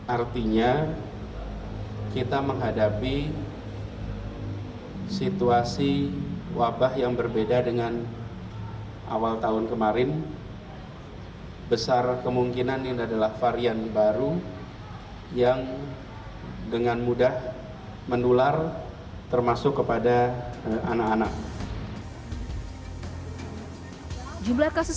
artinya kita menghadapi situasi wabah yang berbeda dengan awal tahun kemarin besar kemungkinan ini adalah varian baru yang dengan mudah menanggung